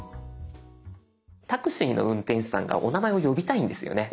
タクシーの運転手さんがお名前を呼びたいんですよね。